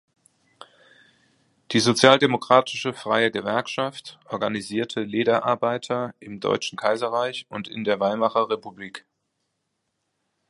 Die sozialdemokratische freie Gewerkschaft organisierte Lederarbeiter im deutschen Kaiserreich und in der Weimarer Republik.